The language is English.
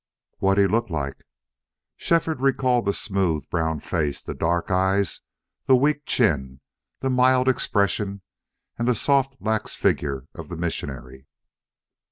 "What'd he look like?" Shefford recalled the smooth, brown face, the dark eyes, the weak chin, the mild expression, and the soft, lax figure of the missionary.